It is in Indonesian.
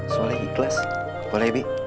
soleh ikhlas boleh bi